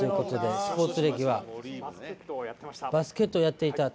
スポーツ歴はバスケットをやっていたと。